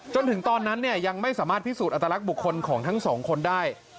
จนถึงตอนนั้นยังไม่สามารถพิสูจนอัตลักษณ์บุคคลของทั้งสองคนได้